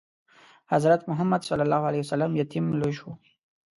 حضرت محمد ﷺ یتیم لوی شو.